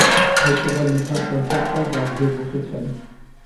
হয়তো বা লিভার ক্যানসারট্যানসার বাঁধিয়ে বসেছেন।